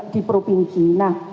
di provinsi nah